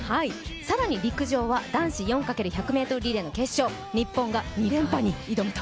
更に陸上は男子４×１００ｍリレーの決勝、日本が２連覇に挑むと。